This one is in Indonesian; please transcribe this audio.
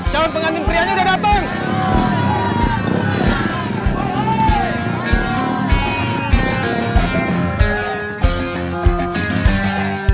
calon pengantin prianya sudah datang